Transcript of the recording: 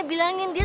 ibutan bang diman